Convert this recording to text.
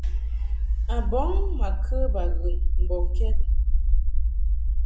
Abɔŋ ma kə baghɨn mbɔŋkɛd.